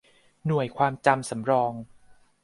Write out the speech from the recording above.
หน่วยความจำสำรอง